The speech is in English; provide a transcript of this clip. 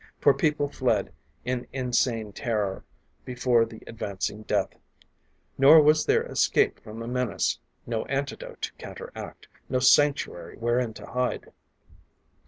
For people fled in insane terror before the advancing death. Nor was there escape from the menace no antidote to counteract, no sanctuary wherein to hide.